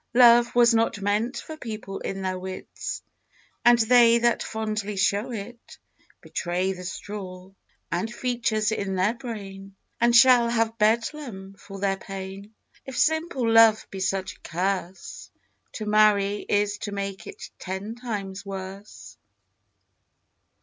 Love was not meant for people in their wits, And they that fondly show it Betray the straw, and features in their brain, And shall have Bedlam for their pain: If simple love be such a curse, To marry is to make it ten times worse.